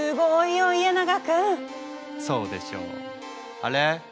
あれ？